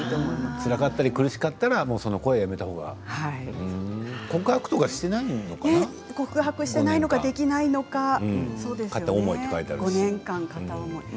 つらかったり苦しかったりしたら、その恋はやめたほうが告白していないのかできないのか５年間片思い。